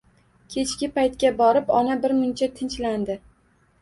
Kechki paytga borib ona birmuncha tinchlandi